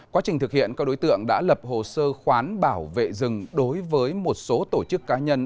quá trình thực hiện các đối tượng đã lập hồ sơ khoán bảo vệ rừng đối với một số tổ chức cá nhân